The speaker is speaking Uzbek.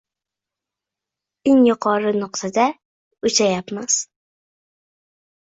eng yuqori nuqtada uchayapmiz.